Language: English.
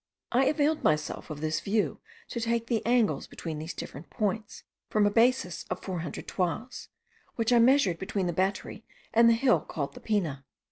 I availed myself of this view to take the angles between these different points, from a basis of four hundred toises, which I measured between the battery and the hill called the Pena.